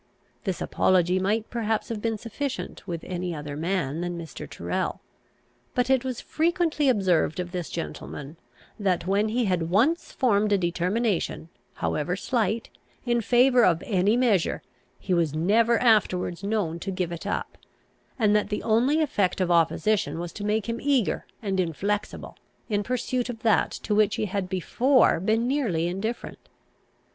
This apology might perhaps have been sufficient with any other man than Mr. Tyrrel; but it was frequently observed of this gentleman that, when he had once formed a determination, however slight, in favour of any measure, he was never afterwards known to give it up, and that the only effect of opposition was to make him eager and inflexible, in pursuit of that to which he had before been nearly indifferent.